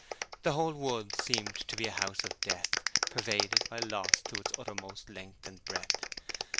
The whole wood seemed to be a house of death, pervaded by loss to its uttermost length and breadth.